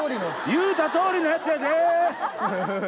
言うた通りのやつやで！